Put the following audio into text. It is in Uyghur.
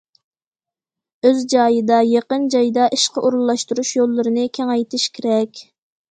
ئۆز جايىدا، يېقىن جايدا ئىشقا ئورۇنلاشتۇرۇش يوللىرىنى كېڭەيتىش كېرەك.